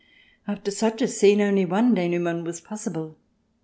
After such a scene, only one denouement was possible.